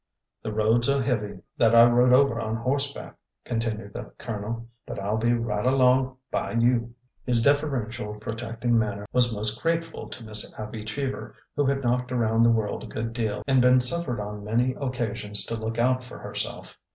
'' The roads are so heavy that I rode over on horse back," continued the Colonel, but I 'll be right along by you." His deferential, protecting manner was most grateful to Miss Abby Cheever, who had knocked around the world a good deal and been suffered on many occasions to look out for herself.